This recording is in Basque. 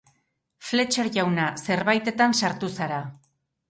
Fletcher jauna, zerbaitetan sartu zara.